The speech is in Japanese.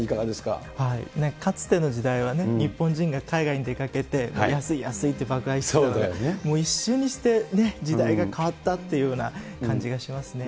かつての時代はね、日本人が海外に出かけて、安い、安いって、爆買いしてたのに、もう一瞬にしてね、時代が変わったというような感じがしますね。